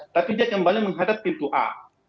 tapi dia kembali menghadap pintu a